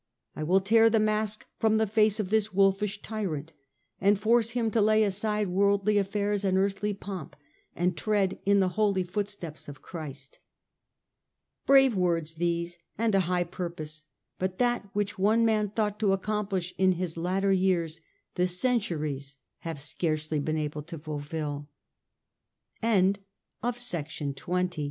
I will tear the mask from the face of this wolfish tyrant, and force him to lay aside worldly affairs and earthly pomp, and tread in the holy footsteps of Christ." Brave words these, and a high purpose ; but that which one man thought to accomplish in his latter years the centuries have scarcel